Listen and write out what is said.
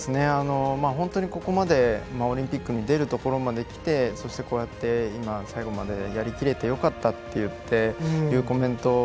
本当に、オリンピックに出るところまできてそして最後までやり切れてよかったと言っているコメント